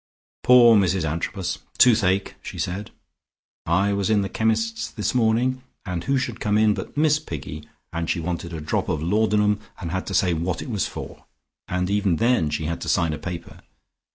"Poor Mrs Antrobus. Toothache!" she said. "I was in the chemist's this morning and who should come in but Miss Piggy, and she wanted a drop of laudanum and had to say what it was for, and even then she had to sign a paper.